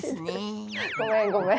ごめんごめん。